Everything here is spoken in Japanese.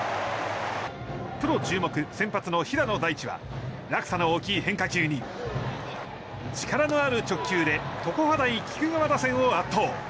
プロ注目、先発の平野大地は落差の大きい変化球に力のある直球で常葉大菊川打線を圧倒。